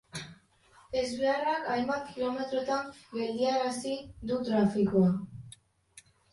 Ezbeharrak hainbat kilometrotan geldiarazi du trafikoa.